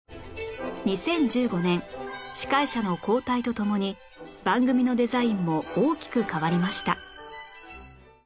２０１５年司会者の交代とともに番組のデザインも大きく変わりました